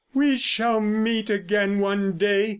"We shall meet again one day!"